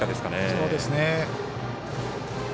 そうですね。